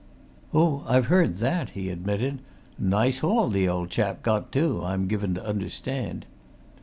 "Oh, I've heard that!" he admitted. "Nice haul the old chap got, too, I'm given to understand."